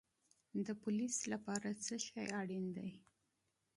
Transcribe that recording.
د پولیس لپاره څه شی اړین دی؟